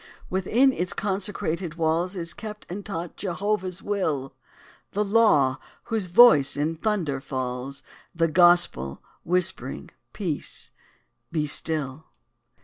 Within its consecrated walls Is kept and taught Jehovah's will: The LAW, whose voice in thunder falls The GOSPEL, whispering, "_Peace! be still!